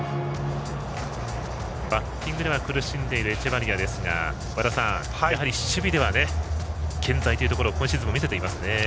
バッティングでは苦しんでいるエチェバリアですが和田さん、やはり守備では健在というところを今シーズンも見せていますね。